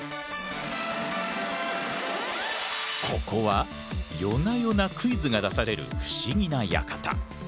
ここは夜な夜なクイズが出される不思議な館。